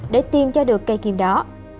để tìm cho được cây kim đó